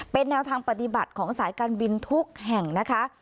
เป็นแนวทางปฏิบัติของสายการบินทุกแห่งนะคะ